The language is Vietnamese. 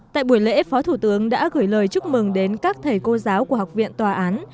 tại buổi lễ phó thủ tướng đã gửi lời chúc mừng đến các thầy cô giáo của học viện tòa án